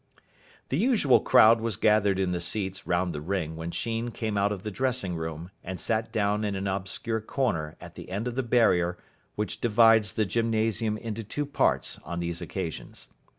The usual crowd was gathered in the seats round the ring when Sheen came out of the dressing room and sat down in an obscure corner at the end of the barrier which divides the gymnasium into two parts on these occasions.